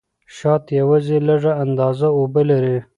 شات یوازې لږه اندازه اوبه لري.